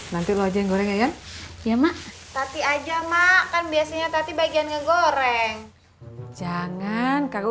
nanti lo jenggolnya ya mak tapi aja makan biasanya tadi bagian ngegoreng jangan kagak